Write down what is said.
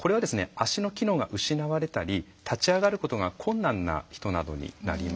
足の機能が失われたり立ち上がることが困難な人などになります。